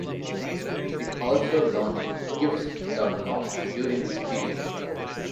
It also launched Gifts dot com during this period.